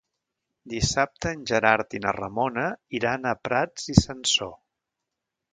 Dissabte en Gerard i na Ramona iran a Prats i Sansor.